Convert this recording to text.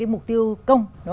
mục tiêu công